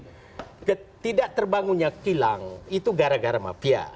pertama kita terbangunnya kilang itu gara gara mafia